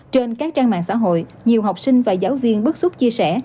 trên các trang mạng xã hội nhiều học sinh và giáo viên bức xúc chia sẻ